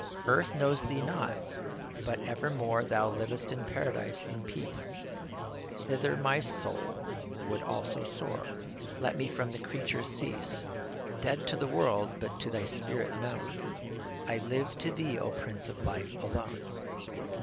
Earth knows Thee not, but evermore Thou liv'st in Paradise, in peace ; Thither my soul would also soar, Let me from the creatures cease ; Dead to the world, but to Thy Spirit known, I live to Thee, O Prince of Life, alone.